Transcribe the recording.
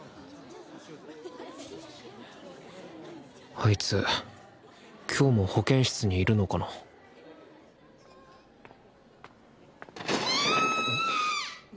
あいつ今日も保健室にいるのかな・きゃあ！